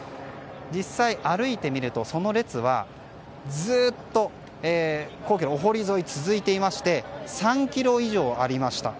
実際、歩いてみるとその列はずっと皇居のお濠沿いに続いていまして３ｋｍ以上ありました。